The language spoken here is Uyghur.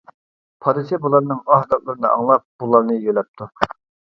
پادىچى بۇلارنىڭ ئاھ-داتلىرىنى ئاڭلاپ، بۇلارنى يۆلەپتۇ.